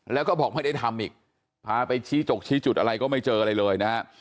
แล้วก็บอกไม่ได้ทำอีกพาไปชี้จกชี้จุดอะไรก็ไม่เจออะไรเลยนะฮะ